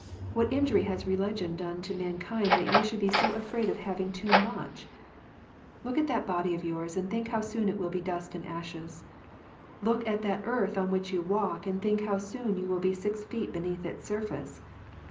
What injury has religion done to mankind, that you should be so afraid of having too much 1 ? Look at that body of yours, and think how soon it will be dust and ashes. Look at that earth on which you walk, and think how soon you will be six feet beneath its surface.